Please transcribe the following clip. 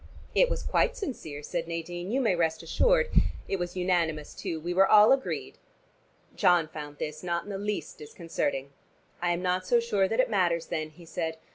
"It was quite sincere," said Nadine, "you may rest assured. It was unanimous, too; we were all agreed." John found this not in the least disconcerting. "I am not so sure that it matters then," he said.